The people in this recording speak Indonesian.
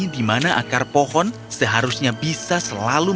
di mana akar pohon seharusnya bisa selalu